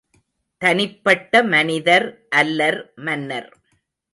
தனிப்பட்ட மனிதர் அல்லர் மன்னர்.